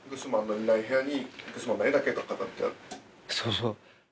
そうそう。